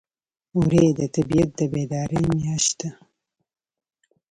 وری د طبیعت د بیدارۍ میاشت ده.